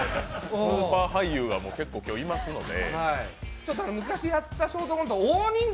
スーパー俳優が今日は結構いますので。